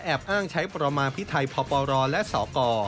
แอบอ้างใช้ประมาณพิทัยพรและสก